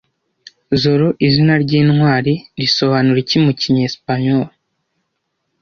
Zorro izina ryintwari risobanura iki mu cyesipanyoli